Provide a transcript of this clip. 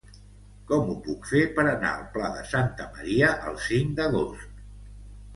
Com ho puc fer per anar al Pla de Santa Maria el cinc d'agost?